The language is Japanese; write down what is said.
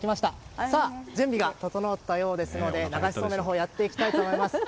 さあ、準備が整ったようですので流しそうめんのほうをやっていきたいと思います。